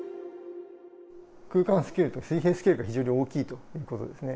空間スケールと水平スケールが非常に大きいということですね。